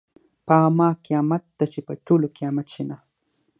په ما قیامت ده چې په ټولو قیامت شینه .